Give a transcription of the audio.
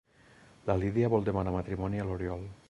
La Lídia vol demanar matrimoni a l'Oriol.